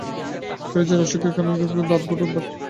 ফিরোজের অসুখের পেছনের কারণগুলো দাঁড় করাতে চেষ্টা করতে লাগলেন।